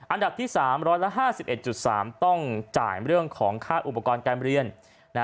อันดับที่๓๑๕๑๓ต้องจ่ายเรื่องของค่าอุปกรณ์การเรียน